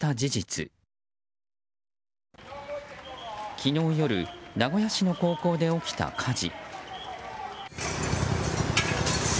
昨日夜名古屋市の高校で起きた火事。